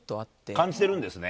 感じてるんですね。